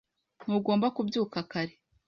Ntugomba kubyuka kare.